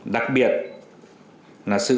đặc biệt là sự thượng tôn pháp luật trên không gian mạng